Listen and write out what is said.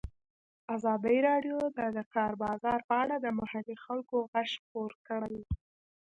ازادي راډیو د د کار بازار په اړه د محلي خلکو غږ خپور کړی.